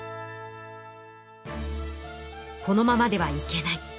このままではいけない。